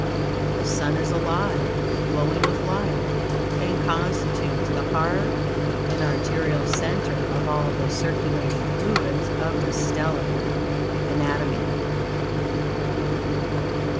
The Sun is alive, glowing with life, and constitutes the heart and arterial center of all the circulating fluids of the stellar anatomy.